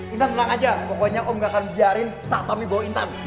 intan tenang aja pokoknya om gak akan biarin satam dibawa intan